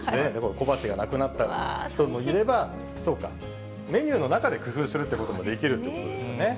小鉢がなくなった人もいれば、そうか、メニューの中で工夫するってこともできるってことですよね。